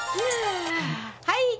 はい。